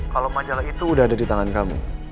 kalo majalah itu udah ada di tangan kamu